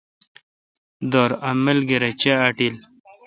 دِر املگر اے چے° اٹیل۔